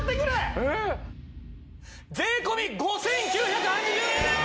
税込５９８０円です！